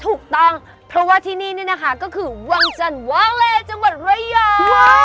ถูกต้องเพราะว่าที่นี่นี่นะคะก็คือวังจันทร์วาเลจังหวัดระยอง